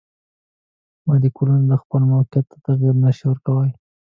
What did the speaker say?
مالیکولونه خپل موقیعت ته تغیر نشي ورکولی.